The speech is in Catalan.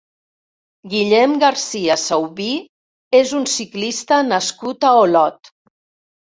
Guillem Garcia Saubí és un ciclista nascut a Olot.